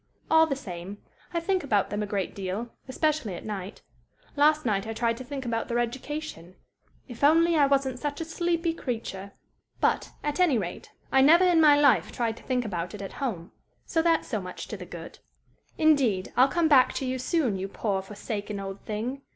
All the same, I think about them a great deal, especially at night. Last night I tried to think about their education if only I wasn't such a sleepy creature! But, at any rate, I never in my life tried to think about it at home. So that's so much to the good. "Indeed, I'll come back to you soon, you poor, forsaken, old thing!